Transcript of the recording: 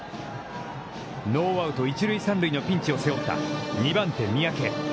ノーアウト、一塁三塁のピンチを背負った２番手、三宅。